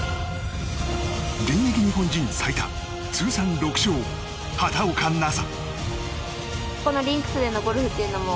現役日本人最多通算６勝、畑岡奈紗。